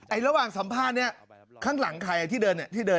ไอ้ระหว่างสัมภาษณ์นี่ข้างหลังใครที่เดินเนี่ย